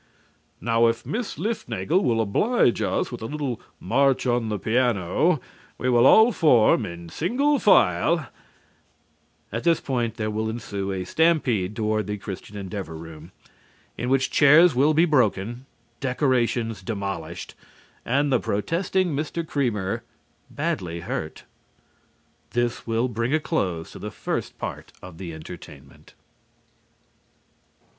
Now if Miss Liftnagle will oblige us with a little march on the piano, we will all form in single file " At this point there will ensue a stampede toward the Christian Endeavor room, in which chairs will be broken, decorations demolished, and the protesting Mr. Creamer badly hurt. This will bring to a close the first part of the entertainment.